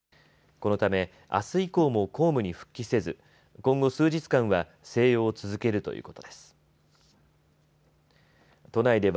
このため、あす以降も公務に復帰せず、今後数日間は静養を続けるということです。